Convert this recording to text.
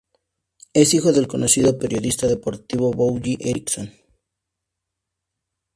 Es hijo del conocido periodista deportivo "Bo G. Eriksson".